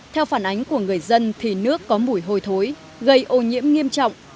theo phản ánh của người dân thì nước có mùi hôi thối gây ô nhiễm nghiêm trọng